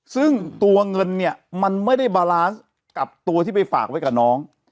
ซึ่งตัวเงินเนี่ยมันไม่ได้บาลานซ์กับตัวที่ไปฝากไว้กับน้อง